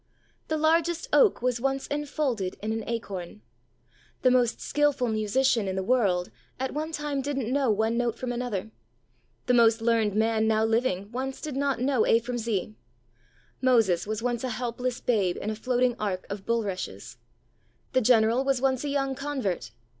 The largest oak was once enfolded in an acorn. The most skilful musician in the world at one time A WORD TO YOU WHO WOULD BE USEFUL. II3 didn't know one note from another. The most learned man now living once did not know A from Z. Moses was once a helpless ^babe in a floating ark of bulrushes. The General was once a young convert.